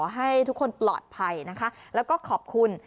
ให้ทุกคนปลอดภัยนะคะแล้วก็ขอบคุณ